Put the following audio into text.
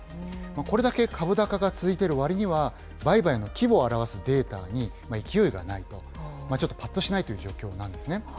これだけ株高が続いてるわりには、売買の規模を表すデータに勢いがないと、ちょっとぱっとしないという状況なんですね。